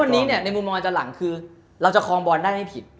วันนี้เนี่ยในมุมมองอาจารย์หลังคือเราจะคลองบอลได้ไม่ผิด